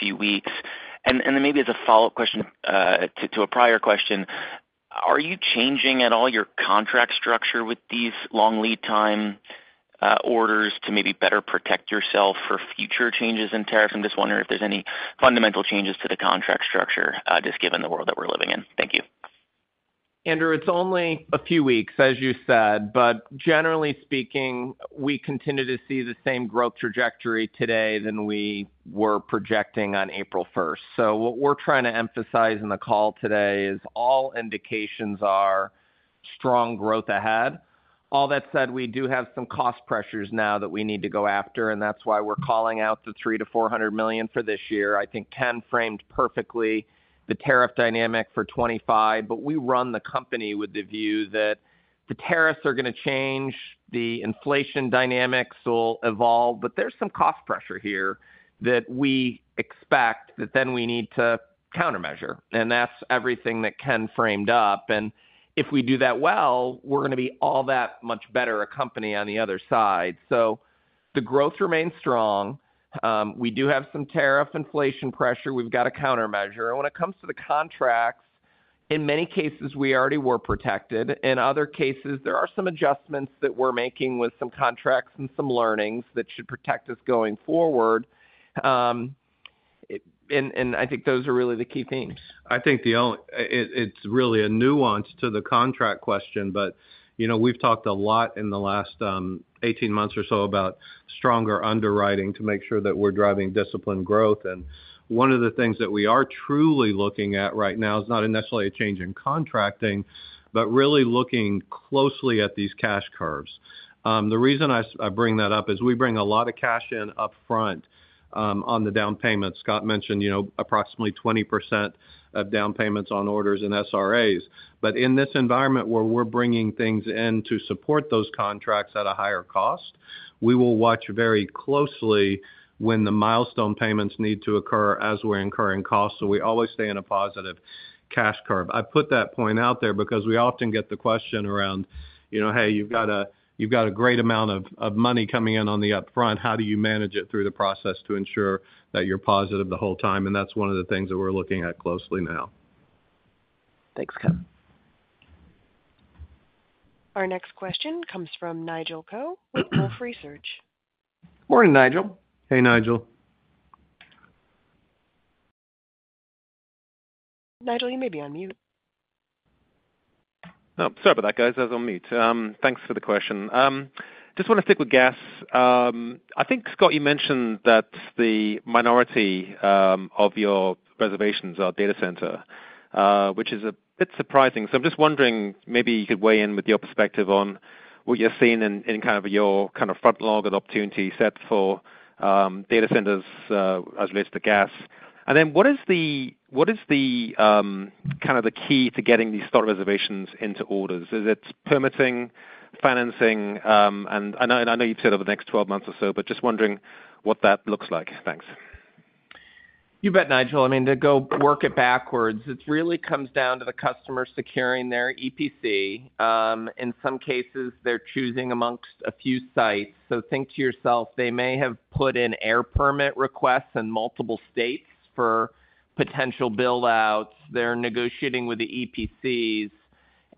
S9: few weeks. Maybe as a follow up question to a prior question, are you changing at all your contract structure with these long lead time orders to maybe better protect yourself for future changes in tariffs? I'm just wondering if there's any fundamental changes to the contract structure just given the world that we're living in. Thank you,
S3: Andrew. It's only a few weeks as you said, but generally speaking, we continue to see the same growth trajectory today than we were projecting on April 1. What we're trying to emphasize in the call today is all indications are strong growth ahead. All that said, we do have some cost pressures now that we need to go after and that's why we're calling out the $300 million-$400 million for this year. I think Ken framed perfectly the tariff dynamic for 2025. We run the company with the view that the tariffs are going to change, the inflation dynamics evolve. There is some cost pressure here that we expect that then we need to countermeasure. That is everything that Ken framed up. If we do that well, we are going to be all that much better a company on the other side. The growth remains strong. We do have some tariff inflation pressure. We have a countermeasure. When it comes to the contracts, in many cases we already were protected. In other cases there are some adjustments that we are making with some contracts and some learnings that should protect us going forward. I think those are really the key themes.
S4: I think it's really a nuance to the contract question. We've talked a lot in the last 18 months or so about stronger underwriting to make sure that we're driving disciplined growth. One of the things that we are truly looking at right now is not necessarily a change in contracting, but really looking closely at these cash curves. The reason I bring that up is we bring a lot of cash in up front. On the down payments. Scott mentioned, you know, approximately 20% of down payments on orders and SRAs. In this environment where we're bringing things in to support those contracts at a higher cost, we will watch very closely when the milestone payments need to occur as we're incurring costs. We always stay in a positive cash curve. I put that point out there because we often get the question around, you know, hey, you've got a, you've got a great amount of money coming in on the upfront. How do you manage it through the process to ensure that you're positive the whole time? That's one of the things that we're looking at closely now.
S3: Thanks, Ken.
S1: Our next question comes from Nigel Coe with Wolfe Research.
S3: Morning, Nigel.
S4: Hey, Nigel.
S1: Nigel, you may be on mute.
S10: Sorry about that, guys. I was on mute. Thanks for the question. Just want to stick with gas, I think. Scott, you mentioned that the minority of your reservations are data center, which is a bit surprising. I'm just wondering, maybe you could. Weigh in with your perspective on what. You're seeing in kind of your kind. Of front log and opportunity set for data centers as it relates to gas. What is the key to getting these stock reservations into orders? Is it permitting, financing? I know you've said over the next 12 months or so, but just wondering what that looks like? Thanks.
S3: You bet, Nigel. To go work it backwards, it really comes down to the customer securing their EPC. In some cases, they're choosing amongst a few sites. So think to yourself. They may have put in air permit requests in multiple states for potential build outs. They're negotiating with the EPCs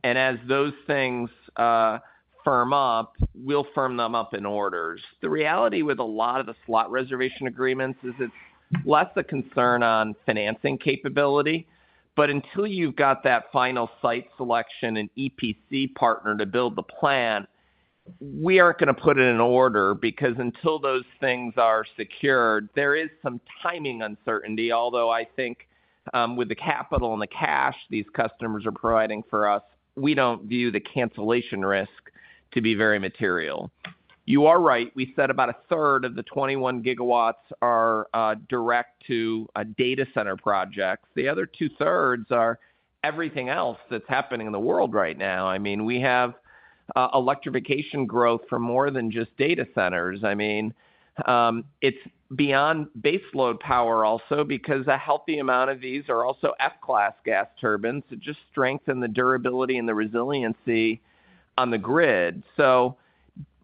S3: and as those things firm up, we'll firm them up in orders. The reality with a lot of the Slot Reservation Agreements is it's less a concern on financing capability. But until you've got that final site selection and EPC partner to build the plan, we aren't going to put it in order because until those things are secured, there is some timing uncertainty. Although I think with the capital and the cash these customers are providing for us, we don't view the cancellation risk to be very material. You are right. We said about a third of the 21 GW are direct to data center projects. The other two thirds are everything else that's happening in the world right now. I mean, we have electrification growth for more than just data centers. I mean, it's beyond baseload power also because a healthy amount of these are also F-class gas turbines to just strengthen the durability and the resiliency on the grid.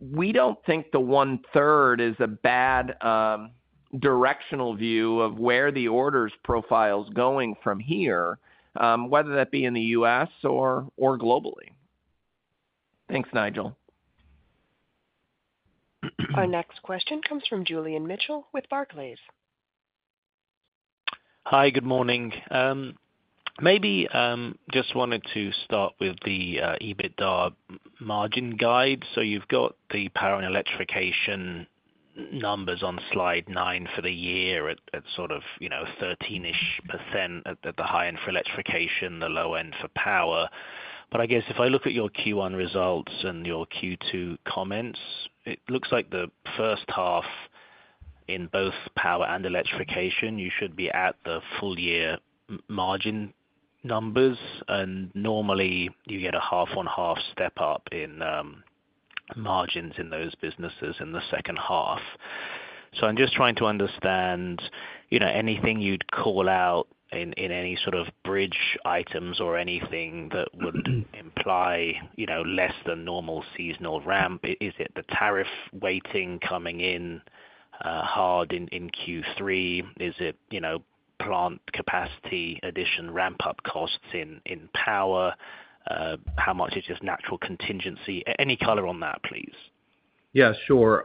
S3: We don't think the one third is a bad directional view of where the orders profile is going from here, whether that be in the U.S. or globally. Thanks, Nigel.
S1: Our next question comes from Julian Mitchell with Barclays.
S11: Hi, good morning. Maybe just wanted to start with the EBITDA margin guide. So you've got the power and electrification numbers on Slide 9 for the year at sort of 13% at the high end for electrification, the low end for power. But I guess if I look at your Q1 results and your Q2 comments, it looks like the 1st half in both power and electrification, you should be at the full year margin numbers and normally you get a half on half step up in margins in those businesses in the 2nd half. So I'm just trying to understand anything you'd call out in any sort of bridge items or anything that would imply, you know, less than normal seasonal ramp. Is it the tariff weighting coming in hard in Q3? Is it, you know, plant capacity addition ramp up costs in power? How much is just natural contingency? Any color on that, please?
S4: Yeah, sure.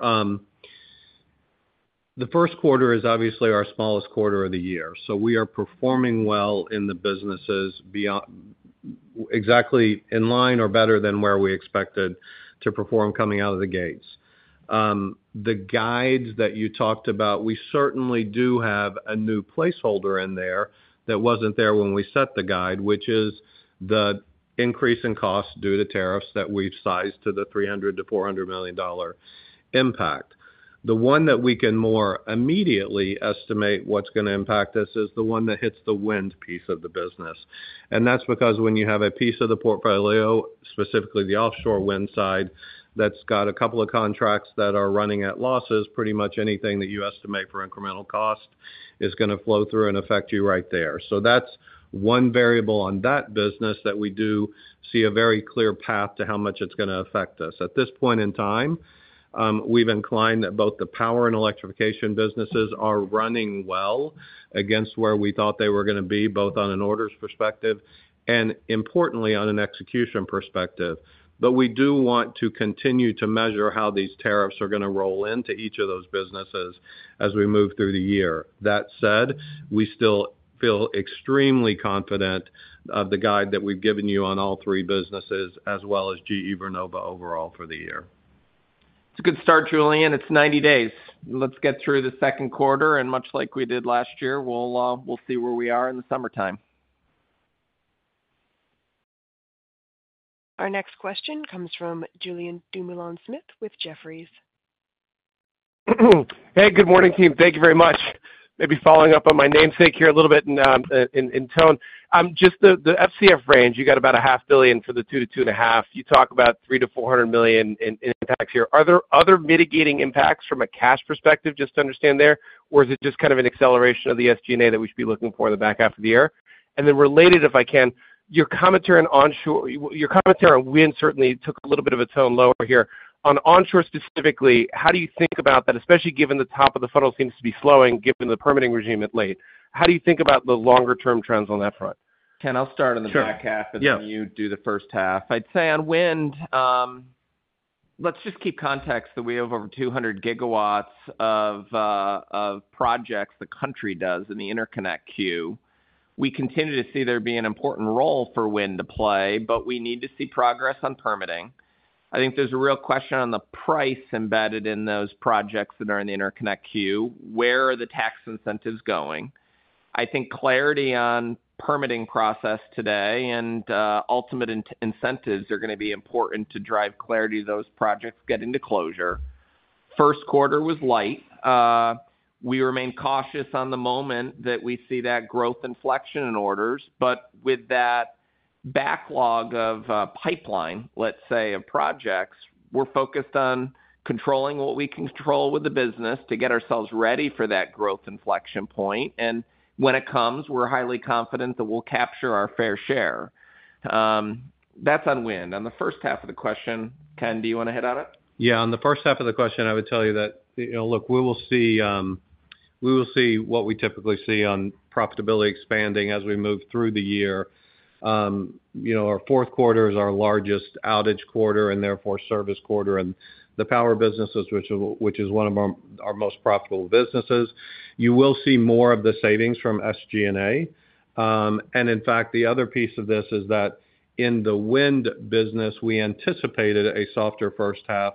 S4: The 1st quarter is obviously our smallest quarter of the year. We are performing well in the businesses exactly in line or better than where we expected to perform coming out of the gates. The guides that you talked about, we certainly do have a new placeholder in there that was not there when we set the guide, which is the increase in cost due to tariffs that we have sized to the $300-$400 million impact. The one that we can more immediately estimate what is going to impact us is the one that hits the wind piece of the business. That is because when you have a piece of the portfolio, specifically the offshore wind side, that has a couple of contracts that are running at losses, pretty much anything that you estimate for incremental cost is going to flow through and affect you right there. That is one variable on that business that we do see a very clear path to how much it is going to affect us at this point in time. We have inclined that both the power and electrification businesses are running well against where we thought they were going to be, both on an orders perspective and importantly on an execution perspective. We do want to continue to measure how these tariffs are going to roll into each of those businesses as we move through the year. That said, we still feel extremely confident of the guide that we have given you on all three businesses as well as GE Vernova overall for the year.
S3: That's a good start, Julian. It's 90 days. Let's get through the 2nd quarter. Much like we did last year, we'll. See where we are in the summertime.
S1: Our next question comes from Julien Dumoulin-Smith with Jefferies.
S12: Hey, good morning team. Thank you very much. Maybe following up on my namesake here a little bit in tone, just the FCF range. You got about a half billion for. The two to two and a half. You talk about $300 million-$400 million in impacts here. Are there other mitigating impacts from a cash perspective just to understand there, or is it just kind of an acceleration of the SGA that we should be looking for the back half of the year and then related if I can. Your commentary on wind certainly took a. Little bit of a tone lower here. On onshore specifically, how do you think about that? Especially given the top of the funnel. Seems to be slowing given the permitting regime at late. How do you think? About the longer term trends on that front?
S3: Ken? I'll start in the back half and then you do the 1st half. I'd say on wind, let's just keep context that we have over 200 GW of projects the country does in the interconnect queue. We continue to see there be an important role for wind to play, but we need to see progress on permitting. I think there's a real question on the price embedded in those projects that are in the interconnect queue. Where are the tax incentives going? I think clarity on permitting process today and ultimate incentives are going to be important to drive clarity. Those projects getting to closure 1st quarter was light. We remain cautious on the moment that we see that growth inflection in orders. With that backlog of pipeline, let's say, of projects, we're focused on controlling what we can control with the business to get ourselves ready for that growth inflection point. When it comes, we're highly confident that we'll capture our fair share. That's on wind. On the 1st half of the question, Ken, do you want to hit on it?
S4: Yeah. On the 1st half of the question, I would tell you that look, we will see what we typically see on profitability expanding as we move through the year. Our 4th quarter is our largest outage quarter and therefore service quarter. And the power business, which is one of our, our most profitable businesses, you will see more of the savings from SG&A. In fact the other piece of this is that in the wind business we anticipated a softer 1st half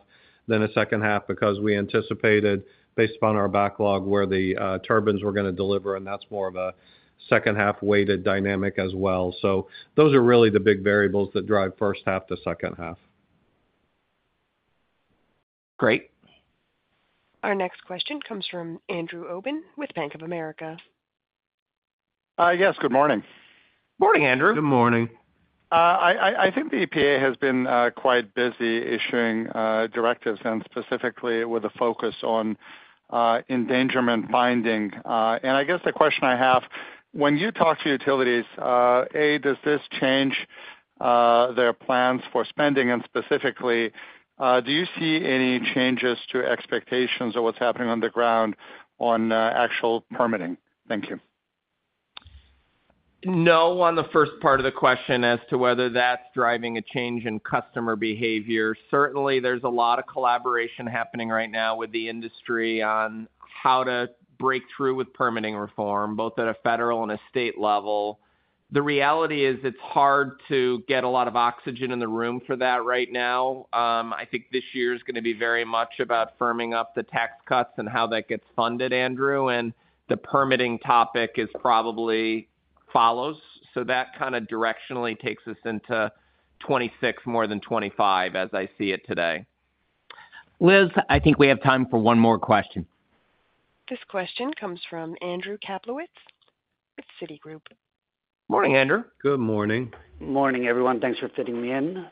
S4: than a 2nd half because we anticipated based upon our backlog where the turbines were going to deliver. That is more of a 2nd half weighted dynamic as well. Those are really the big variables that drive 1st half to 2nd half.
S3: Great.
S1: Our next question comes from Andrew Obin with Bank of America.
S13: Yes, good morning.
S3: Morning, Andrew.
S4: Good morning.
S13: I think the EPA has been quite busy issuing directives and specifically with a focus on endangerment binding. I guess the question I have when you talk to utilities, does this change their plans for spending? Specifically, do you see any changes to expectations of what's happening on the ground on actual permitting? Thank you.
S3: No, on the first part of the question as to whether that's driving a change in customer behavior, certainly there's a lot of collaboration happening right now with the industry on how to break through with permitting reform both at a federal and a state level. The reality is it's hard to get a lot of oxygen in the room for that right now. I think this year is going to be very much about firming up the tax cuts and how that gets funded. Andrew and the permitting topic is probably follows. That kind of directionally takes us into 2026 more than 2025 as I see it today. Liz, I think we have time for one more question.
S1: This question comes from Andrew Kaplowitz with Citigroup.
S3: Morning, Andrew.
S4: Good morning.
S14: Morning everyone. Thanks for fitting me in.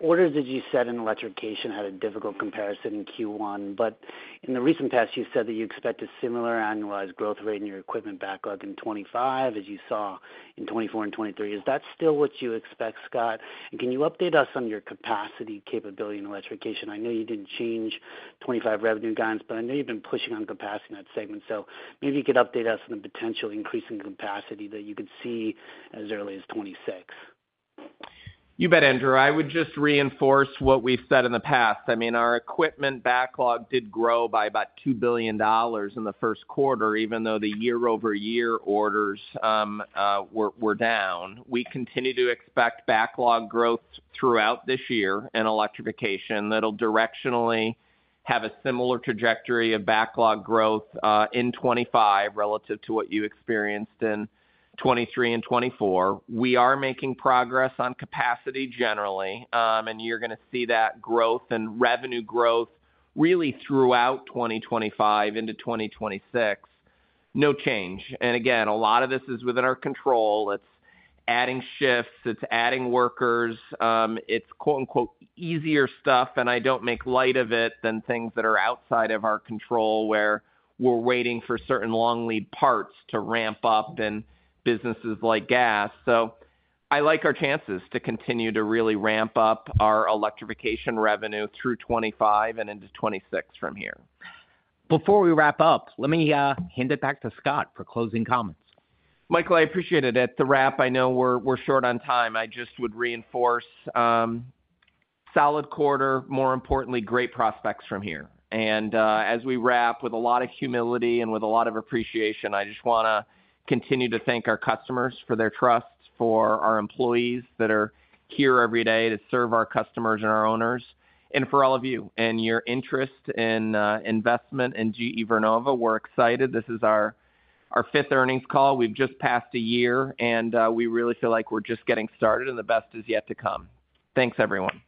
S14: Orders that you set in electrification had a difficult comparison in Q1, but in the recent past you said that you expect a similar annualized growth rate in your equipment backlog in 2025 as you saw in 2024 and 2023. Is that still what you expect, Scott and can you update us on your capacity capability in electrification? I know you didn't change 2025 revenue guidance, but I know you've been pushing on capacity in that segment. Maybe you could update us on the potential increase in capacity that you could see as early as 2026.
S2: You bet. Andrew I would just reinforce what we said in the past. I mean our equipment backlog did grow by about $2 billion in the 1st quarter even though the year over year orders were down. We continue to expect backlog growth throughout this year in electrification that'll directionally have a similar trajectory of backlog growth in 2025 relative to what you experienced in 2023 and 2024. We are making progress on capacity generally and you're going to see that growth and revenue growth really throughout 2025 into 2026, no change. Again, a lot of this is within our control. It's adding shifts, it's adding workers, it's quote unquote easier stuff. I don't make light of it than things that are outside of our control where we're waiting for certain long lead parts to ramp up in businesses like gas. I like our chances to continue to really ramp up our electrification revenue through 2025 and into 2026 from here. Before we wrap up, let me hand it back to Scott for closing comments.
S3: Michael, I appreciate it at the wrap. I know we're short on time. I just would reinforce solid quarter. More importantly, great prospects from here. As we wrap with a lot of humility and with a lot of appreciation, I just want to continue to thank our customers for their trust, for our employees that are here every day to serve our customers and our owners, and for all of you and your interest in investment in GE Vernova. We're excited. This is our 5th earnings call. We've just passed a year, and we really feel like we're just getting started and the best is yet to come. Thanks, everyone.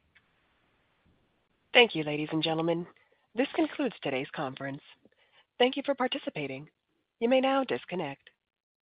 S1: Thank you. Ladies and gentlemen, this concludes today's conference. Thank you for participating. You may now disconnect.